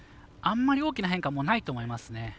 あんまり大きな変化はないと思いますね。